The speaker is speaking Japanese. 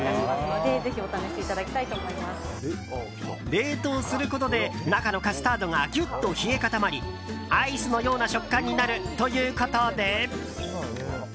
冷凍することで中のカスタードがぎゅっと冷え固まりアイスのような食感になるということで。